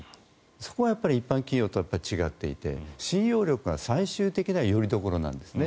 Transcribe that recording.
そこが一般企業と違っていて信用力が最終的なよりどころなんですね。